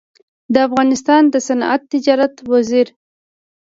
د افغانستان د صنعت تجارت وزیر